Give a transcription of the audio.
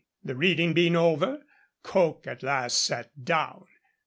The reading being over, Coke at last sat down.